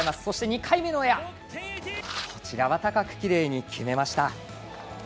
そして２回目のエアは高くきれいに決めました。